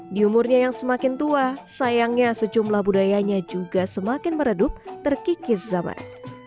di umurnya yang semakin tua sayangnya sejumlah budayanya juga semakin meredup terkikis zaman